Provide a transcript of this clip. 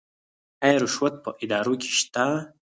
آیا رشوت په ادارو کې شته؟